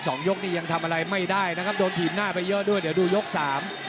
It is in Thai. ยกนี่ยังทำอะไรไม่ได้นะครับโดนถีบหน้าไปเยอะด้วยเดี๋ยวดูยกสาม